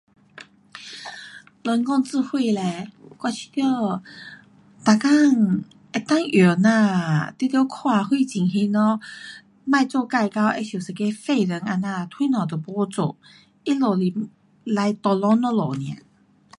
人工智慧嘞，每天能够用呐，你得看什情形咯，别做到自好像一个废人这样什么都没做。它们是 like tolong 咱们尔。